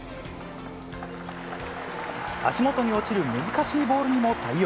足元に落ちる難しいボールにも対応。